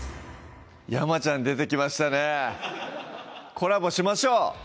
山ちゃん出てきましたねぇコラボしましょう！